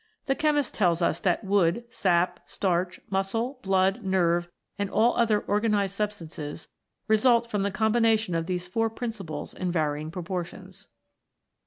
The chemist tells us that wood, sap, starch, muscle, blood, nerve, and all other organized substances, result from the combi nation of these four principles in varying pro portions.